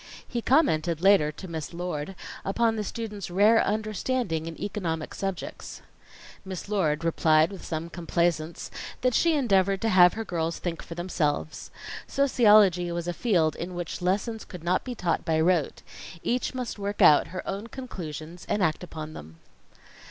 He commented later, to Miss Lord, upon the students' rare understanding in economic subjects. Miss Lord replied with some complaisance that she endeavored to have her girls think for themselves. Sociology was a field in which lessons could not be taught by rote. Each must work out her own conclusions, and act upon them.